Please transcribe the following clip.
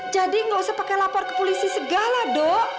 jadi gak usah pakai lapor ke polisi segala do